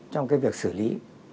trong cái việc xử lý